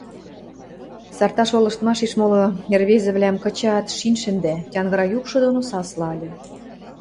Сарта шолыштмашеш моло ӹӹрвезӹвлӓм кычаат, шин шӹндӓ, тянгыра юкшы доно сасла ыльы: